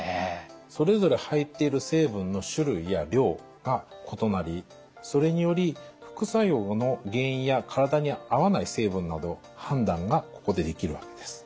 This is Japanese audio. それぞれ入っている成分の種類や量が異なりそれにより副作用の原因や体に合わない成分など判断がここでできるわけです。